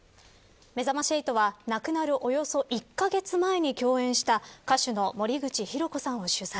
めざまし８は亡くなるおよそ１カ月前に共演した歌手の森口博子さんを取材。